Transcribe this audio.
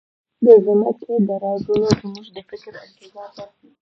د ځمکې دا رازونه زموږ د فکر انتظار باسي.